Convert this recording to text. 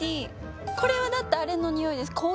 これはだってあれのにおいです。